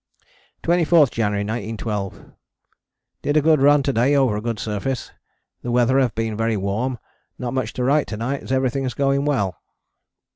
24th January 1912. Did a good run to day over a good surface. The weather have been very warm, not much to write to night as everything is going well.